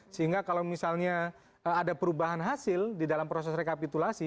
sehingga kalau misalnya ada perubahan hasil di dalam proses rekapitulasi